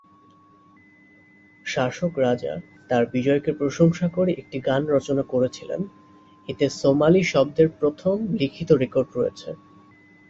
শাসক রাজা তার বিজয়কে প্রশংসা করে একটি গান রচনা করেছিলেন, এতে "সোমালি" শব্দের প্রথম লিখিত রেকর্ড রয়েছে।